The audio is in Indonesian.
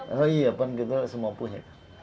oh iya kan kita harus mampunya